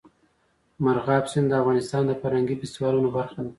مورغاب سیند د افغانستان د فرهنګي فستیوالونو برخه ده.